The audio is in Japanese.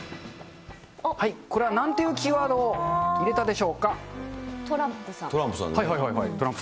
これはなんというキーワードを入れたでしょうか。